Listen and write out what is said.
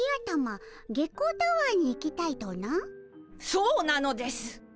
そうなのです。